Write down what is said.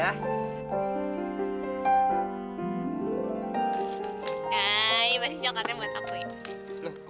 nah ini masih siotatnya buat aku